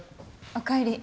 おかえり。